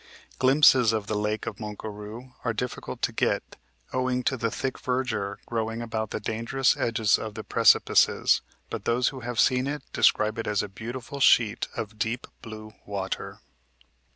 Glimpses of the lake of Mont Garou are difficult to get, owing to the thick verdure growing about the dangerous edges of the precipices, but those who have seen it describe it as a beautiful sheet of deep blue water.